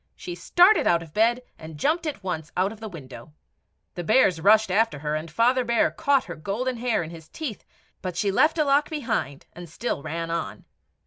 She started out of bed, and jumped at once out of the window. The bears rushed after her, and Father Bear caught her golden hair in his teeth, but she left a lock behind, and still ran on.